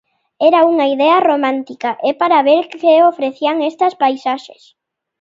Era unha idea romántica e para ver que ofrecían estas paisaxes.